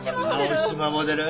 青島モデル！